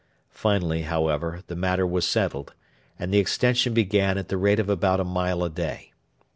Finally, however, the matter was settled, and the extension began at the rate of about a mile a day.